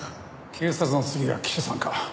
警察の次は記者さんか。